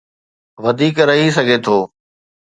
وڌيڪ رهي سگهي ٿو.